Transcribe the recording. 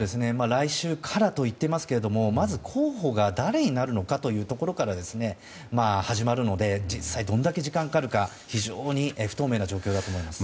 来週からと言ってますけどもまず、候補が誰になるのかというところから始まるので実際、どれだけ時間がかかるか非常に不透明な状況だと思います。